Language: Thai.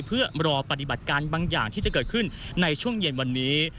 เพื่อรอปฏิบัติการบางอย่างที่จะเกิดขึ้นในช่วงเย็นวันนี้